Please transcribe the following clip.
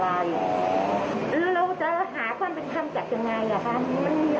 เรามีคลิปด้วยนะคะว่าคนที่ไปเรียกมวลชนมันก็ถูกใจแล้วถูกใจ